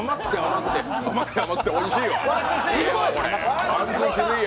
甘くて、甘くて、おいしい！